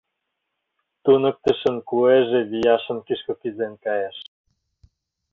Туныктышын куэже вияшын кӱшкӧ кӱзен кайыш.